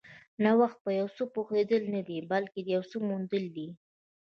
نوښت په یو څه پوهېدل نه دي، بلکې د یو څه موندل دي.